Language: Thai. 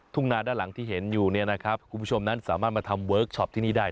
ทุ่งนาด้านหลังที่เห็นอยู่เนี่ยนะครับคุณผู้ชมนั้นสามารถมาทำเวิร์คชอปที่นี่ได้